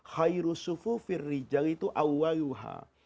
khairusufu firrijalitu awaluhah